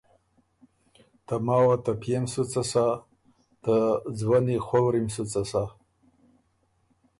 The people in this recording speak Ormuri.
ته ماوه ته پئے م سُو څۀ سَۀ۔ ته ځوَني خؤوری م سُو څۀ سَۀ۔